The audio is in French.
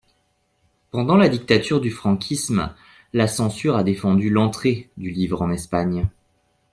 Pendant la dictature du franquisme la censure a défendu l’entrée du livre en Espagne.